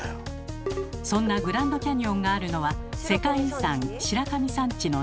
そんなグランドキャニオンがあるのは世界遺産「白神山地」の中。